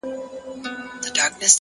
مثبت فکر د ستونزو اغېز کموي.!